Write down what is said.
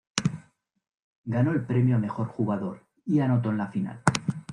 Ganó el premio a mejor jugador y anotó en la final.